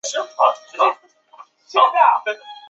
换热器可以按不同的方式分类。